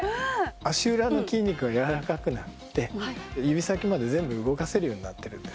足裏の筋肉がやわらかくなって指先まで全部動かせるようになっているんですね。